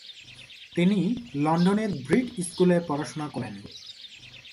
তিনি লন্ডনের ব্রিট স্কুল-এ পড়াশুনা করেন।